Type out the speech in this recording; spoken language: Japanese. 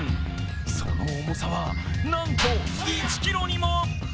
その重さは、なんと１ｋｇにも！